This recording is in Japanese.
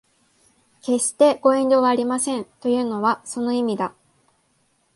決してご遠慮はありませんというのはその意味だ